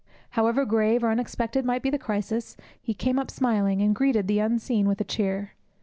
However grave or unexpected might be the crisis, he came up smiling, and greeted the unseen with a cheer.